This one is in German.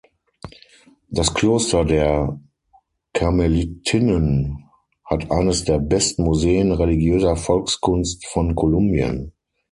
Das Kloster der Karmelitinnen hat eines der besten Museen religiöser Volkskunst von Kolumbien.